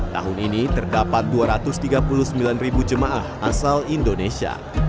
tahun ini terdapat dua ratus tiga puluh sembilan jemaah asal indonesia